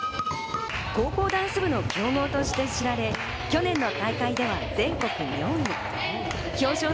高校ダンス部の強豪として知られ、去年の大会では全国４位。